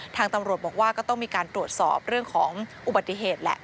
ทางตำรวจบอกว่าก็ต้องมีการตรวจสอบเรื่องของอุบัติเหตุแหละ